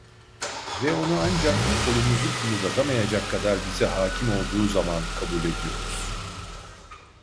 Ve onu ancak, kolumuzu kımıldatamayacak kadar bize hakim olduğu zaman kabul ediyoruz.